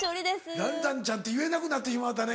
蘭々ちゃんって言えなくなってしまったね。